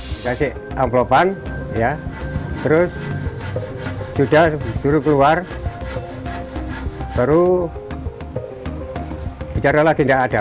dikasih amplopan ya terus sudah disuruh keluar baru bicara lagi tidak ada